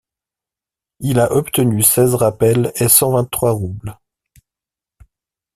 Il a obtenu seize rappels et cent vingt-trois roubles.